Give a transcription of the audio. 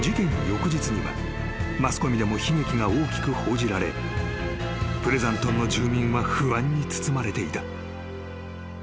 翌日にはマスコミでも悲劇が大きく報じられプレザントンの住民は不安に包まれていた］